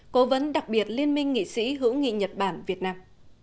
cố vấn đặc biệt liên minh nghị sĩ hữu nghị nhật bản việt nam